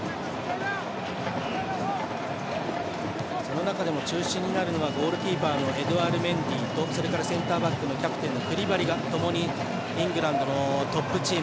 その中でも中心になるのはゴールキーパーのエドゥアール・メンディとセンターバックのキャプテンのクリバリがともにイングランドのトップチーム